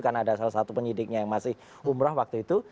karena ada salah satu penyidiknya yang masih umrah waktu itu